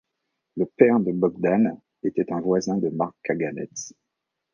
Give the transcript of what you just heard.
Le père de Bogdan était un voisin de Mark Kaganets.